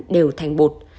đều thành bột